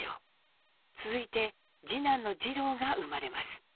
続いて次男の二朗が生まれます。